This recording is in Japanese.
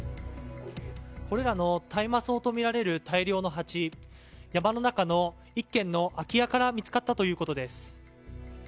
これらの大麻草とみられる大量の鉢山の中の１軒の空き家から見つかったということです。